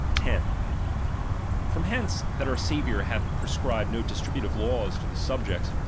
10. From hence, that our Saviour hath pre i'bei"| scribed no distributive laws to the subjects ofniy.